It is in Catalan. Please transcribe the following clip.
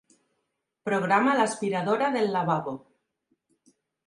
Programa l'aspiradora del lavabo.